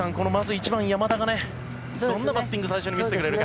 １番、山田がどんなバッティングを最初に見せてくれるか。